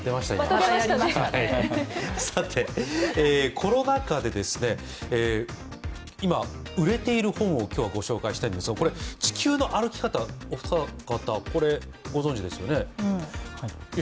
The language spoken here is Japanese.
コロナ禍で今、売れている本を今日は御紹介したいんですが、「地球の歩き方」、お二方ご存じですよね。